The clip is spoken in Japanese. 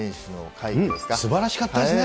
すばらしかったですね。